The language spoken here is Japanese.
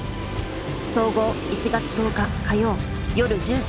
総合１月１０日火曜夜１０時。